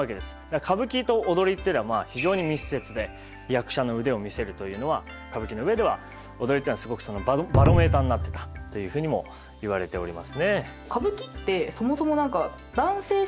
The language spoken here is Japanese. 歌舞伎と踊りっていうのは非常に密接で役者の腕を見せるというのは歌舞伎の上では踊りっていうのはすごくバロメーターになってたというふうにも言われておりますね。